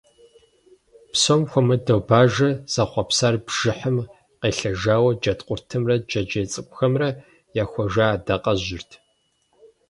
Псом хуэмыдэу бажэр зэхъуэпсар бжыхьым къелъэжауэ джэдкъуртымрэ джэджьей цӀыкӀухэмрэ яхуэжэ адакъэжьырт.